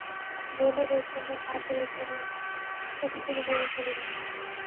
বলে বিপ্রদাসের হাঁটুর উপর উপুড় হয়ে পড়ল।